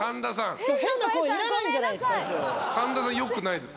変の声いらないんじゃないです？